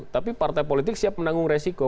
tapi partai politik siap menanggung resiko